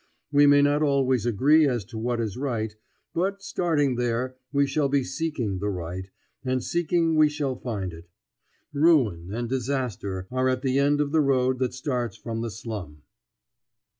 We may not always agree as to what is right; but, starting there, we shall be seeking the right, and seeking we shall find it. Ruin and disaster are at the end of the road that starts from the slum.